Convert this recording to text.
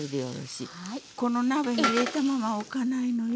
この鍋に入れたまま置かないのよ。